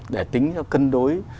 để tính cho cân đối